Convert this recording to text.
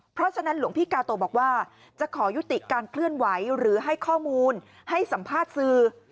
เพราะฉะนั้นหลวงพี่กาโตบอกว่าจะขอยุติการเคลื่อนไหวหรือให้ข้อมูลให้สัมภาษณ์สื่อ